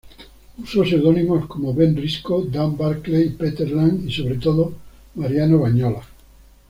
Usó seudónimos como Ben Risco, Dan Barclay, Peter Lang y sobre todo Mariano Bañolas.